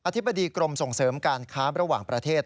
ธิบดีกรมส่งเสริมการค้าระหว่างประเทศ